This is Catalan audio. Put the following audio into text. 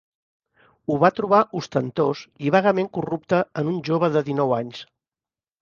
Ho va trobar ostentós i vagament corrupte en un jove de dinou anys...